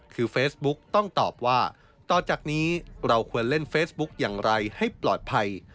คือเฟซบุ๊กต้องตอบว่าต่อจากนี้เราควรเล่นเฟซบุ๊กอย่างไรให้ปลอดภัย